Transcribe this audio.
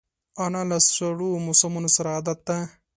انا له سړو موسمونو سره عادت ده